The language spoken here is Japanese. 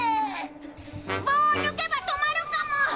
棒を抜けば止まるかも！